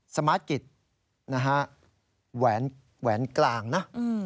สมาร์ทกิตหวานกลางนะ